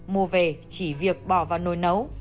mùa về chỉ việc bỏ vào nồi nấu